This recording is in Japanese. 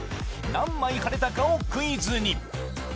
何枚貼れたかをクイズに。